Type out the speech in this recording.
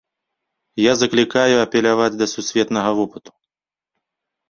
Я заклікаю апеляваць да сусветнага вопыту.